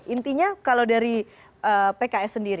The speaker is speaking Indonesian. intinya kalau dari pks sendiri